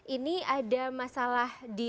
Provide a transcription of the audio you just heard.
ini ada masalah di